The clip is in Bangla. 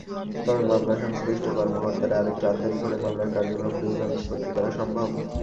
তবে মামলা-সংশ্লিষ্ট কর্মকর্তারা আরেকটু আন্তরিক হলে মামলার কার্যক্রম দ্রুত নিষ্পত্তি করা সম্ভব।